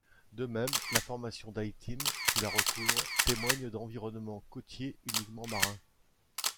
De même, la formation d'Aitym qui la recouvre témoigne d'environnements côtiers uniquement marins.